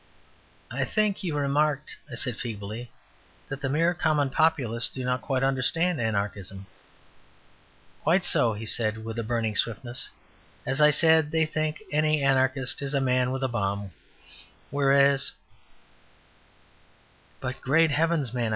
"I think you remarked," I said feebly, "that the mere common populace do not quite understand Anarchism" "Quite so," he said with burning swiftness; "as I said, they think any Anarchist is a man with a bomb, whereas " "But great heavens, man!"